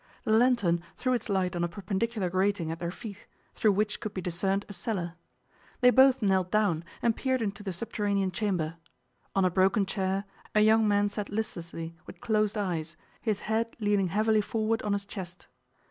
The lantern threw its light on a perpendicular grating at their feet, through which could be discerned a cellar. They both knelt down, and peered into the subterranean chamber. On a broken chair a young man sat listlessly with closed eyes, his head leaning heavily forward on his chest.